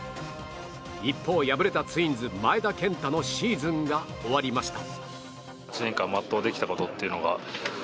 一方、敗れたツインズ前田健太のシーズンが終わりました。